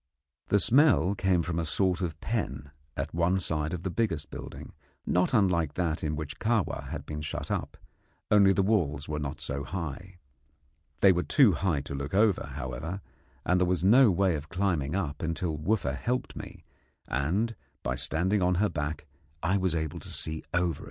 The smell came from a sort of pen at one side of the biggest building, not unlike that in which Kahwa had been shut up, only the walls were not so high. They were too high to look over, however, and there was no way of climbing up until Wooffa helped me, and by standing on her back I was able to see over.